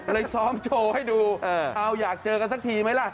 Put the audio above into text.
ซ้อมโชว์ให้ดูเอาอยากเจอกันสักทีไหมล่ะ